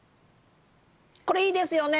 これいいですよね。